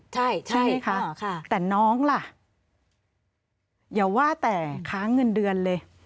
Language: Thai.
ใช่ค่ะแต่น้องล่ะอย่าว่าแต่ค้างเงินเดือนเลย